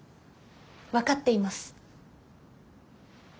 分かっています。